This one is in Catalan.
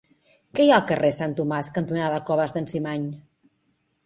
Què hi ha al carrer Sant Tomàs cantonada Coves d'en Cimany?